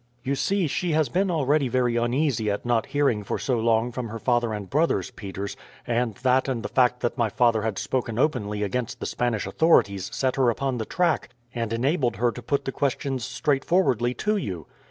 "You see, she has been already very uneasy at not hearing for so long from her father and brothers, Peters; and that and the fact that my father had spoken openly against the Spanish authorities set her upon the track, and enabled her to put the questions straightforwardly to you."